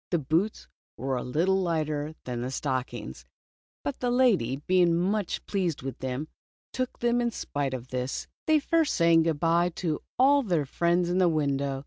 The boots were a little lighter than the stockings, but the lady, being much pleased with them, took them in spite of this, they first saying good bye to all their friends in the window.